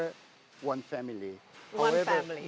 kami adalah satu keluarga